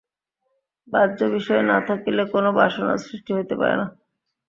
বাহ্য বিষয় না থাকিলে কোন বাসনার সৃষ্টি হইতে পারে না।